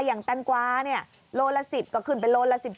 อย่างตังกวาเนี่ยโลละ๑๐ก็ขึ้นเป็นโลละ๑๗